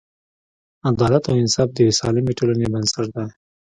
عدالت او انصاف د یوې سالمې ټولنې بنسټ دی.